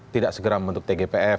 tidak segera membentuk tgpf